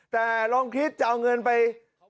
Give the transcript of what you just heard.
แต่ลองคิดจะเอาเงินไป